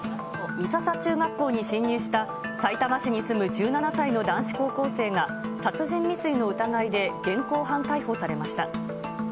美笹中学校に侵入したさいたま市に住む１７歳の男子高校生が殺人未遂の疑いで現行犯逮捕されました。